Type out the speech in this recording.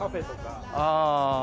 ああ。